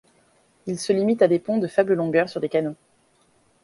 Ils se limitent à des ponts de faible longueur sur des canaux.